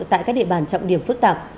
tại các địa bàn trọng điểm phức tạp